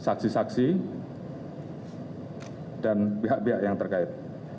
saksi saksi dan pihak pihak yang terkait